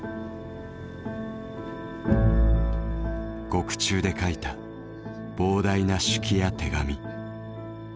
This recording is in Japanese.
獄中で書いた膨大な手記や手紙。